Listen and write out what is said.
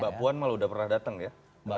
mbak puan malah udah pernah datang ya